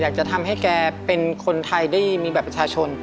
อยากจะทำให้แกเป็นคนไทยได้มีบัตรประชาชน